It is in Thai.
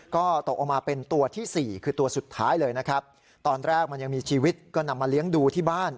ก็ตกออกมาเป็นตัวที่สี่คือตัวสุดท้ายเลยนะครับตอนแรกมันยังมีชีวิตก็นำมาเลี้ยงดูที่บ้าน